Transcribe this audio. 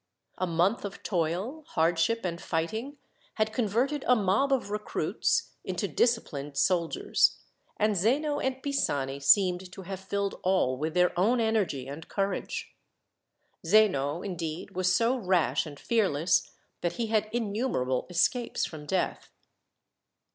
A month of toil, hardship, and fighting had converted a mob of recruits into disciplined soldiers, and Zeno and Pisani seemed to have filled all with their own energy and courage. Zeno, indeed, was so rash and fearless that he had innumerable escapes from death.